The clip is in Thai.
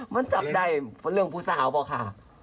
มันจับใดเรื่องผู้สาวเปล่าค่ะ